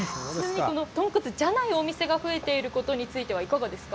豚骨じゃないお店が増えていることについては、いかがですか。